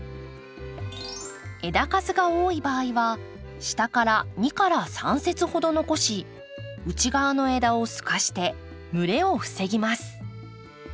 枝数が多い場合は下から２３節ほど残し内側の枝を透かして蒸れを防ぎます。